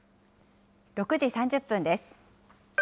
６時３０分です。